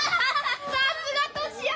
さっすがトシヤ！